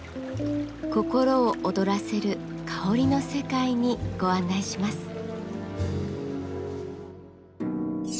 心を躍らせる香りの世界にご案内します。